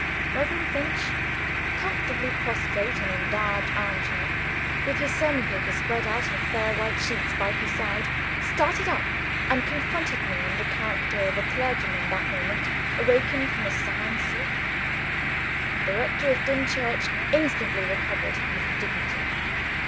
Reverend Finch, comfortably prostrate in a large arm chair (with his sermon paper spread out in fair white sheets by his side), started up, and confronted me in the character of a clergyman that moment awakened from a sound sleep. The rector of Dimchurch instantly recovered his dignity.